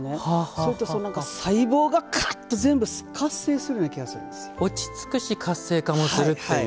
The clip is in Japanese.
それと、細胞がカッと全部活性化するような落ち着くし活性化もするという。